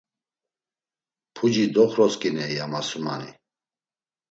“Puci doxrosǩiney!” ya masumani.